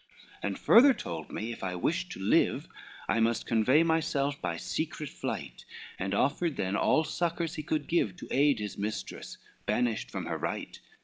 LIII "And further told me, if I wished to live, I must convey myself by secret flight, And offered then all succours he could give To aid his mistress, banished from her right.